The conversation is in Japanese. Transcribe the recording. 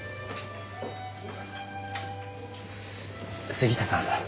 杉下さん